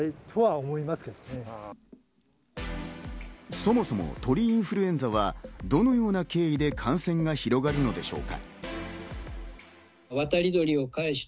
そもそも鳥インフルエンザはどのような経緯で感染が広がるのでしょうか？